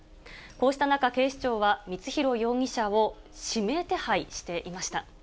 こうした中、警視庁は光弘容疑者を指名手配していました。